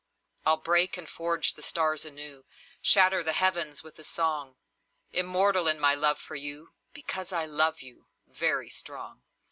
I'll break and forge the stars anew, Shatter the heavens with a song; Immortal in my love for you, Because I love you, very strong.